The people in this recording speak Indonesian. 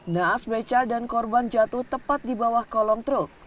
naas beca dan korban jatuh tepat di bawah kolong truk